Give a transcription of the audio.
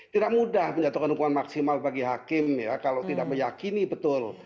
tidak mudah menjatuhkan hukuman maksimal bagi hakim ya kalau tidak meyakini betul